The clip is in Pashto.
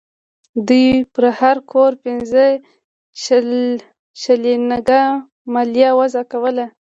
دوی پر هر کور پنځه شلینګه مالیه وضع کوله.